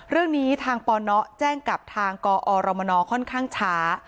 เรื่องนี้ทางปนแจ้งกับทางกอรมนค่อนข้างช้า